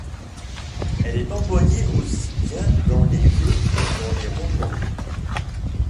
Elle est employée aussi bien dans les jeux que dans les romans.